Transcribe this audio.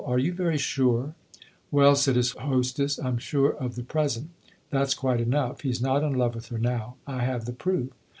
Are you very sure ?"" Well/' said his hostess, " I'm sure of the pre sent. That's quite enough. He's not in love with her now I have the proof."